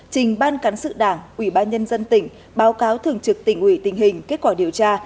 trình ban cán sự đảng ubnd tỉnh báo cáo thường trực tỉnh ủy tình hình kết quả điều tra